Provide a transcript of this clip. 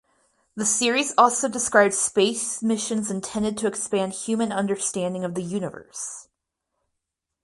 The series also describes space missions intended to expand human understanding of the universe.